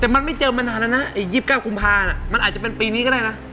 แต่มันไม่เจอมานานแล้วนะไอ้๒๙กุมภามันอาจจะเป็นปีนี้ก็ได้นะ